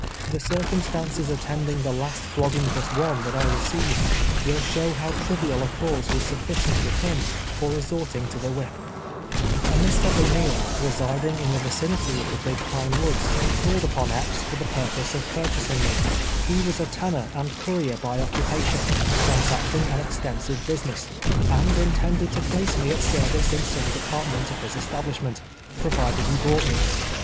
The circum Btances attending the last floo o'inic but one that I re ceived, will show how trivial a cause was sutUcicnt with him for resorting to the whip. A Mr. O'Xiel, residing in the vicinity of the Big Pine Woods, called upon Epps for the purpose of pur o'niel, the tanner. 251 cliasing me. He was a tanner and currier by occu pation, transacting an extensive business, and intend ed to place me at service in some department of liis establishment, provided lie bought me.